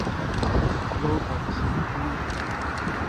老蚌生珠